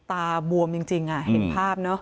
บวมจริงเห็นภาพเนอะ